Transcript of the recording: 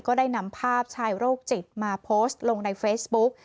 ก็ได้นำภาพชายโรคจิตมาโพสต์ลงในเฟซบุ๊ก